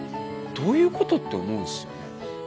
どういうこと？って思うんですよね。